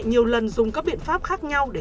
nhiều lần dùng các biện pháp khác nhau để